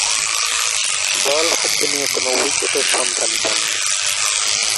বল হাতে নিয়ে কোন উইকেটের সন্ধান পাননি।